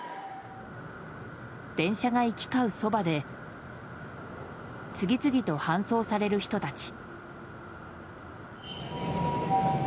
電車が行き交うそばで次々と搬送される人たち。